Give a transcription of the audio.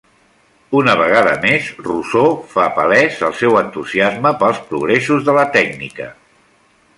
Una vegada més, Rousseau fa palès el seu entusiasme pels progressos de la tècnica.